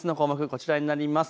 こちらになります。